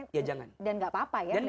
makanya kalau emang kita yakin kasih